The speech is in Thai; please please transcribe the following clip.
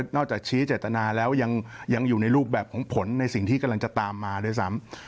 จากชี้เจตนาแล้วยังอยู่ในรูปแบบของผลในสิ่งที่กำลังจะตามมาด้วยซ้ำ